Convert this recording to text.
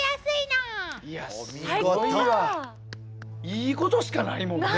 いいことしかないもんね